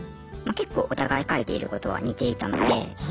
けっこうお互い書いていることは似ていたので。